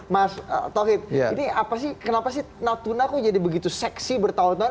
mas tauhid ini apa sih kenapa sih natuna kok jadi begitu seksi bertahun tahun